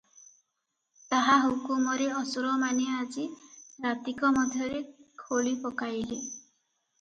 ତାହା ହୁକୁମରେ ଅସୁର ମାନେ ଆସି ରାତିକ ମଧ୍ୟରେ ଖୋଳିପକାଇଲେ ।